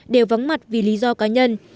đều vắng mặt vì lý do cá nhân